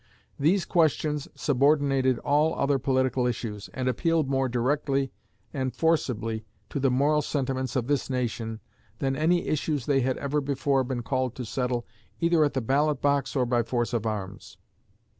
These questions subordinated all other political issues, and appealed more directly and forcibly to the moral sentiments of this nation than any issues they had ever before been called to settle either at the ballot box or by force of arms.